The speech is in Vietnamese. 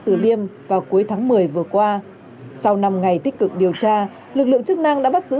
từ liêm vào cuối tháng một mươi vừa qua sau năm ngày tích cực điều tra lực lượng chức năng đã bắt giữ